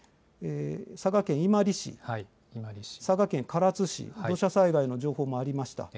佐賀県伊万里市、佐賀県唐津市、土砂災害の情報もありました。